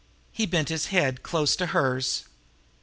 He bent his head close to hers.